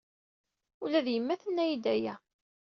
Ula d yemma tenna-iyi-d aya.